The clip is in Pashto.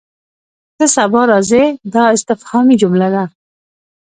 ته سبا راځې؟ دا استفهامي جمله ده.